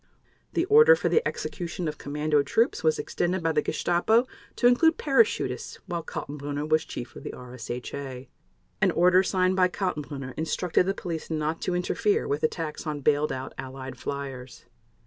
The order for the execution of commando troops was extended by the Gestapo to include parachutists while Kaltenbrunner was Chief of the RSHA. An order signed by Kaltenbrunner instructed the police not to interfere with attacks on bailed out Allied fliers.